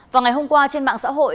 và ngày hôm qua trên mạng xã hội